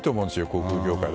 航空業界は。